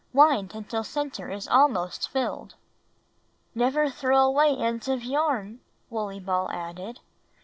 Wind until center is almost filled. ''Never throw away ends of yarn/' Wooley Ball added.